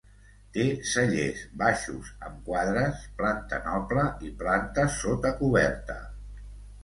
Té cellers, baixos amb quadres, planta noble i planta sota coberta.